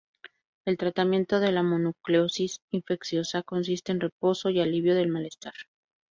El tratamiento de la mononucleosis infecciosa consiste en reposo y alivio del malestar.